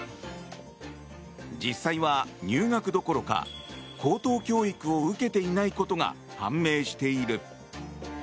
実際は入学どころか高等教育を受けていないことが判明している。